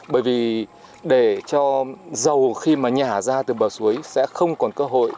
bởi vì để cho dầu khi mà nhả ra từ bờ suối sẽ không còn cơ hội